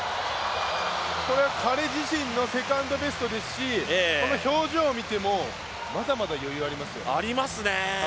これ、彼自身のセカンドベストですしこの表情を見てもまだまだ余裕がありますよ。